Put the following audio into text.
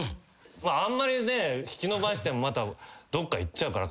まああんまりね引き延ばしてもまたどっか行っちゃうから彼女。